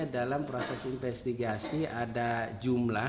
dalam proses investigasi ada jumlah